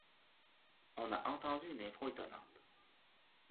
On a entendu une info étonnante.